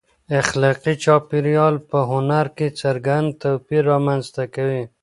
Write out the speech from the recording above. اخلاقي چاپېریال په هنر کې څرګند توپیر رامنځته کوي.